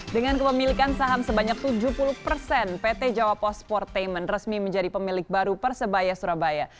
dengan kepemilikan saham sebanyak tujuh puluh persen pt jawa post sportainment resmi menjadi pemilik baru persebaya surabaya